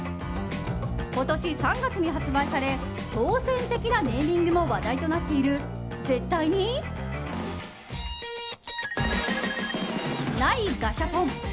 今年３月に発売され、挑戦的なネーミングも話題となっている絶対にないガシャポン。